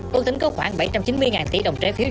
ước tính có khoảng bảy trăm chín mươi tỷ đồng trái phiếu